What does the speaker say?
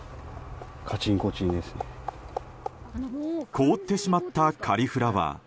凍ってしまったカリフラワー。